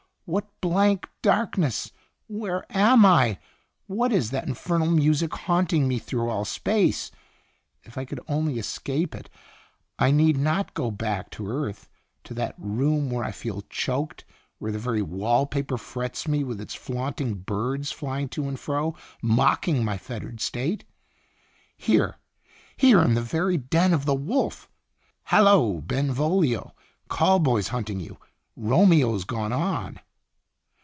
What blank darkness ! Where am I ? What is that infer nal music haunting me through all space ? If I could only escape it I need not go back to earth to that room where I feel choked, where the very wall paper frets me with its flaunting birds flying to and fro, mocking my fettered state. * Here, here in the very den of the wolf!' Hallo, Benvolio, call boy's hunt ing you. Romeo 's gone on.